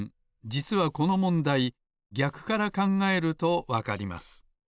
じつはこのもんだいぎゃくからかんがえるとわかります。